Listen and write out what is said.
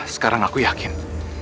sekarang aku yakin